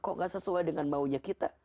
kok gak sesuai dengan maunya kita